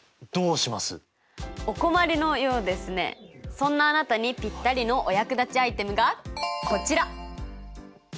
そんなあなたにぴったりのお役立ちアイテムがこちら！